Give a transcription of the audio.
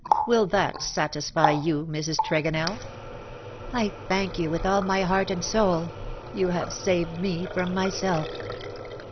Will that satisfy you, Mrs. Tregonell?" " I thank you with all my heart and soul — you have saved me from myself.